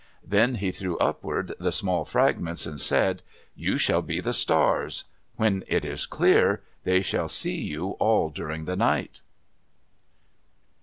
Then he threw upward the small fragments, and said, "You shall be the stars; when it is clear, they shall see you all during the night."